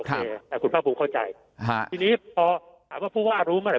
แต่คุณภาคภูมิเข้าใจทีนี้พอถามว่าผู้ว่ารู้เมื่อไ